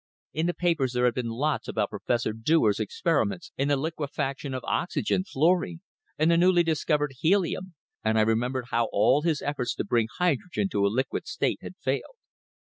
In the papers there had been lots about Professor Dewar's experiments in the liquefaction of oxygen, fluorine and the newly discovered helium, and I remembered how all his efforts to bring hydrogen to a liquid state had failed.